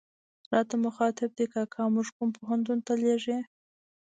راته مخاطب دي، کاکا موږ کوم پوهنتون ته لېږې.